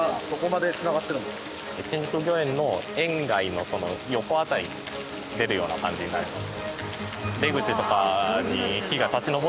ちなみに新宿御苑の園外の横辺りに出るような感じになります。